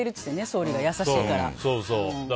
総理が優しいから。